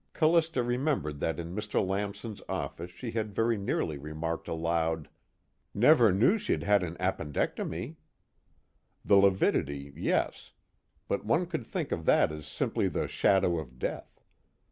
Callista remembered that in Mr. Lamson's office she had very nearly remarked aloud: "Never knew she'd had an appendectomy." The lividity, yes; but one could think of that as simply the shadow of death.